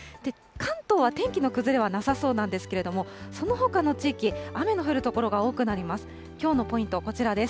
関東は天気の崩れはなさそうなんですけれども、そのほかの地域、雨の降る所が多くなります。